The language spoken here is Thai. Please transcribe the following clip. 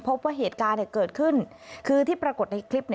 พบว่าเหตุการณ์เกิดขึ้นคือที่ปรากฏในคลิป